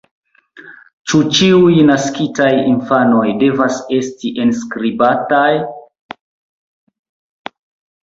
Ĉu ĉiuj naskitaj infanoj devas esti enskribataj?